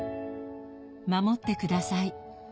守ってください